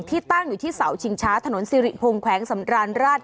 ตั้งอยู่ที่เสาชิงช้าถนนสิริพงศ์แขวงสำราญราช